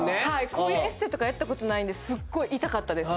こういうエステとかやったことないんですっごい痛かったです